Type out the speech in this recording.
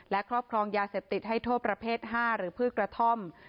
และครอบครองยาเสพติดให้โทษประเภท๕หรือพืชกระท่อม